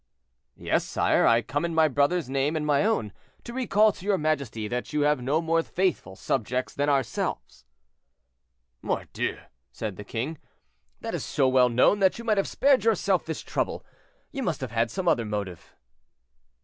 "Yes, sire; I come in my brother's name and my own, to recall to your majesty that you have no more faithful subjects than ourselves." "Mordieu!" said the king, "that is so well known that you might have spared yourself this trouble. You must have had some other motive."